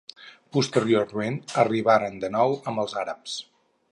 Posteriorment arribaren de nou amb els àrabs.